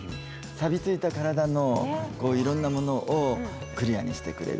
さびついた体のいろんなものをクリアにしてくれる。